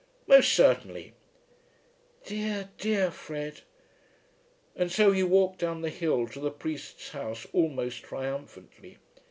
"Most certainly." "Dear, dear Fred." And so he walked down the hill to the priest's house almost triumphantly.